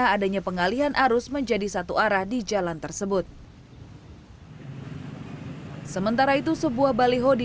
adanya pengalihan arus menjadi satu arah di jalan tersebut sementara itu sebuah baliho di